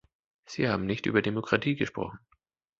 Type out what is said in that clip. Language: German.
Sie haben nicht über Demokratie gesprochen!